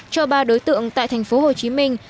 cho ba đối tượng tại thành phố hồ chí minh